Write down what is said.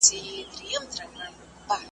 سیل د بدخش هلمند اریوب غواړم چې نه